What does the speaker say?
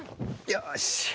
よし。